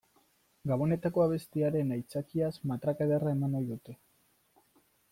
Gabonetako abestiaren aitzakiaz matraka ederra eman ohi dute.